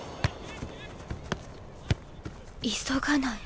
急がない。